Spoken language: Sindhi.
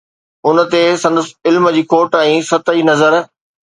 ان تي سندس علم جي کوٽ ۽ سطحي نظر.